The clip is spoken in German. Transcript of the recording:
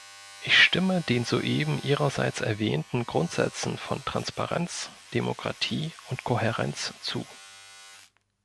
Ich stimme den soeben Ihrerseits erwähnten Grundsätzen von Transparenz, Demokratie und Kohärenz zu.